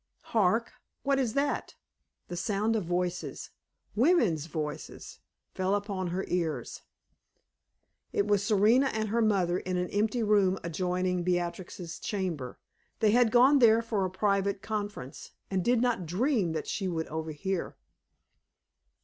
Hark! what is that? The sound of voices women's voices fell upon her ears. It was Serena and her mother in an empty room adjoining Beatrix's chamber. They had gone there for a private conference, and did not dream that she would overhear.